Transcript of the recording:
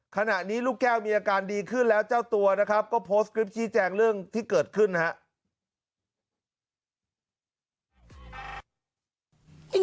ขณะนี้ลูกแก้วมีอาการดีขึ้นแล้วเจ้าตัวนะครับก็โพสต์คลิปชี้แจงเรื่องที่เกิดขึ้นนะครับ